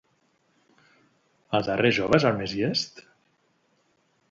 El darrer jove és el més llest?